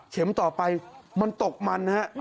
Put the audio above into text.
เข็มต่อไปมันตกมัน